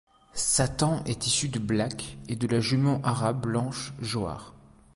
Satan est issu de Black et de la jument Arabe blanche Johar.